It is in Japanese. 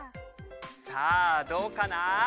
さあどうかな？